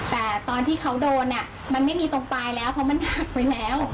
แต่ตอนที่เขาโดนเนี่ยมันไม่มีตรงปลายแล้วเพราะมันหักไว้แล้ว